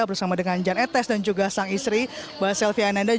bersama dengan jan etes dan juga sang istri mbak selvi ananda